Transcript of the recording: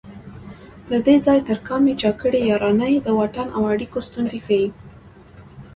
له دې ځای تر کامې چا کړي یارانې د واټن او اړیکو ستونزې ښيي